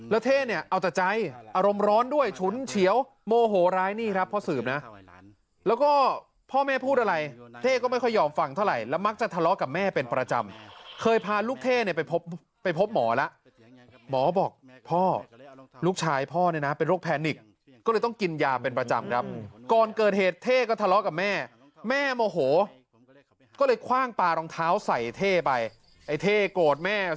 แล้วเท่เนี่ยเอาแต่ใจอารมณ์ร้อนด้วยฉุนเฉียวโมโหร้ายนี่ครับพ่อสืบนะแล้วก็พ่อแม่พูดอะไรเท่ก็ไม่ค่อยยอมฟังเท่าไหร่แล้วมักจะทะเลาะกับแม่เป็นประจำเคยพาลูกเท่เนี่ยไปพบไปพบหมอแล้วหมอบอกพ่อลูกชายพ่อเนี่ยนะเป็นโรคแพนิกก็เลยต้องกินยาเป็นประจำครับก่อนเกิดเหตุเท่ก็ทะเลาะกับแม่แม่โมโหก็เลยคว่างปลารองเท้าใส่เท่ไปไอ้เท่โกรธแม่